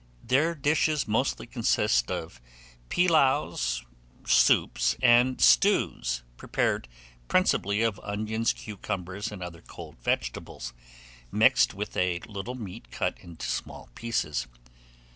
Their dishes mostly consist of pilaus, soups, and stews, prepared principally of onions, cucumbers, and other cold vegetables, mixed with a little meat cut into small pieces.